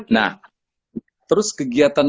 nah terus kegiatan